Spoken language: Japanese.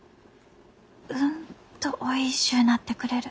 うんとおいしゅうなってくれる。